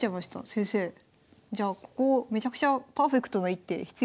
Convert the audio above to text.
先生じゃあここめちゃくちゃパーフェクトな一手必要なんじゃないですか？